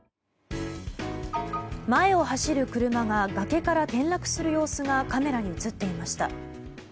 前を走る車が崖から転落する様子がカメラに映っていました。